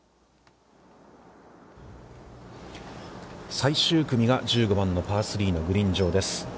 最終組が１５番のパー３のグリーン上です。